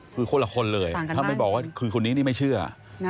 คือคนละคนเลยถ้าไม่บอกว่าคือคนนี้นี่ไม่เชื่อ